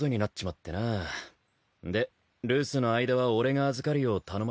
で留守の間は俺が預かるよう頼まれた。